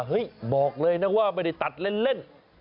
บอกเลยนะว่าไม่ได้ตัดเล่น